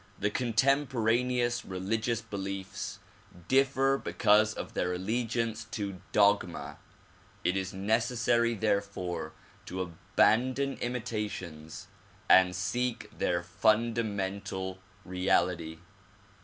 The contemporaneous religious beliefs dif fer because of their allegiance to dogma. It is necessary therefore to abandon imitations and seek their fundamental reality.